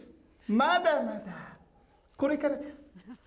まだまだこれからです。